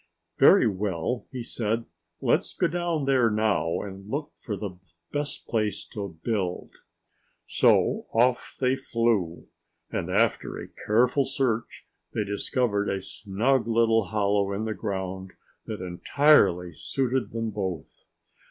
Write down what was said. "Very well!" he said. "Let's go down there now and look for the best place to build." So off they flew. And after a careful search they discovered a snug little hollow in the ground that entirely suited them both.